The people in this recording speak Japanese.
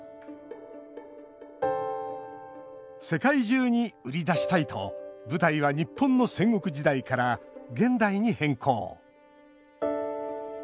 世界中に売り出したいと舞台は日本の戦国時代から現代に変更。